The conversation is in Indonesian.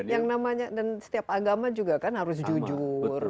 yang namanya dan setiap agama juga kan harus jujur